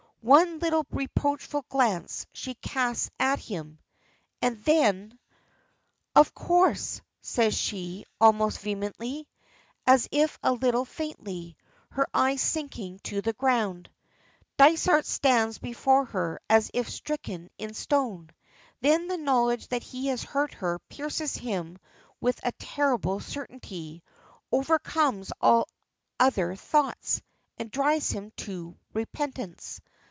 One little reproachful glance she casts at him, and then: "Of course," says she, almost vehemently, if a little faintly, her eyes sinking to the ground. Dysart stands before her as if stricken into stone. Then the knowledge that he has hurt her pierces him with a terrible certainty, overcomes all other thoughts, and drives him to repentance.